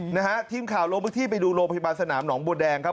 นะฮะทีมข่าวลงพื้นที่ไปดูโรงพยาบาลสนามหนองบัวแดงครับ